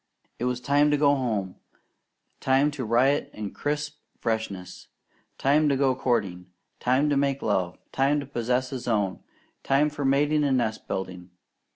It was time to go home, time to riot in crisp freshness, time to go courting, time to make love, time to possess his own, time for mating and nest building.